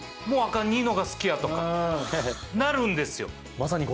もうアカン二乃が好きやとかなるんですよ。